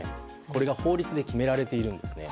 これが法律で決められているんですね。